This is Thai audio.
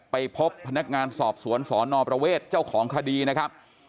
ไปพบพนักงานสอบสวนสนประเวทเจ้าของคดีนะครับ